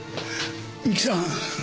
三木さん。